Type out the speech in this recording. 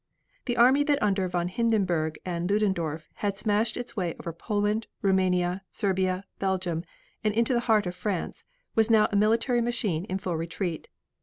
The army that under von Hindenburg and Ludendorf had smashed its way over Poland, Roumania, Serbia, Belgium, and into the heart of France, was now a military machine in full retreat.